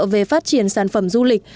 về phát triển sản phẩm du lịch